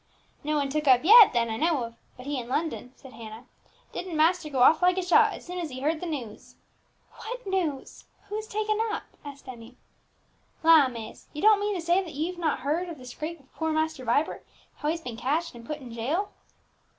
"No one took up yet, that I know of, but he in London," said Hannah. "Didn't master go off like a shot, as soon as he heard the news!" "What news? who was taken up?" asked Emmie. "La, miss! you don't mean to say that you've not heard of the scrape of poor Master Vibert, how he's been catched and put into jail!"